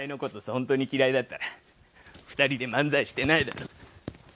本当に嫌いだったら２人で漫才してないだろ。